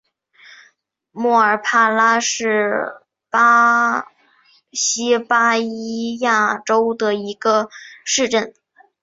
莫尔帕拉是巴西巴伊亚州的一个市镇。